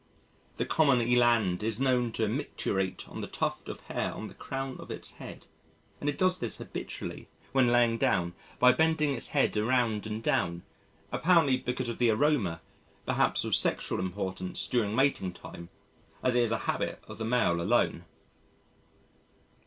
The common Eland is known to micturate on the tuft of hair on the crown of its head, and it does this habitually, when lying down, by bending its head around and down apparently because of the aroma, perhaps of sexual importance during mating time, as it is a habit of the male alone.